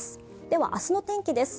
では明日の天気です。